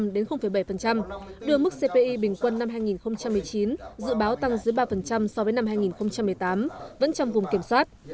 đưa mức cpi bình quân năm hai nghìn một mươi chín dự báo tăng dưới ba so với năm hai nghìn một mươi tám vẫn trong vùng kiểm soát